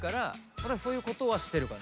俺はそういうことはしてるかな。